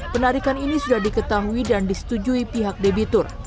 penarikan ini sudah diketahui dan disetujui pihak debitur